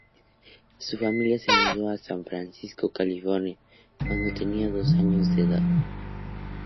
Su familia se mudó a San Francisco, California, cuando tenía dos años de edad.